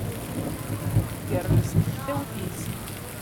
Tgerrez tektawt-is.